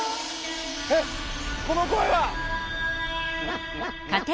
えっこの声は。